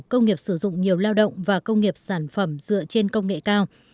công nghiệp sử dụng nhiều lao động và công nghiệp sản phẩm dựa trên công nghệ cao